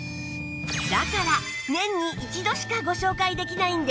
だから年に一度しかご紹介できないんです